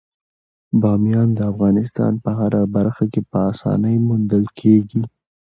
بامیان د افغانستان په هره برخه کې په اسانۍ موندل کېږي.